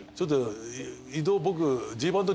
移動僕。